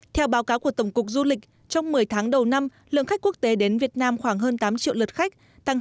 theo báo cáo của tổng cục du lịch trong một mươi tháng đầu năm lượng khách quốc tế đến việt nam khoảng hơn tám triệu lượt khách tăng